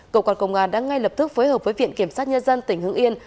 cơ quan công an đã ngay lập tức phối hợp với viện kiểm sát nhân dân tỉnh hưng yên